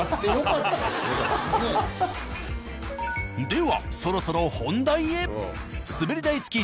ではそろそろ本題へ。